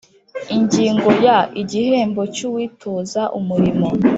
Ingingo ya Igihembo cy uwitoza umurimo